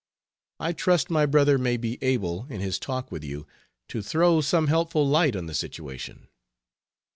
I trust my brother may be able, in his talk with you, to throw some helpful light on the situation.